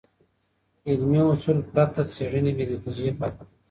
علمي اصول پرته څېړنې بېنتیجه پاتې کېږي.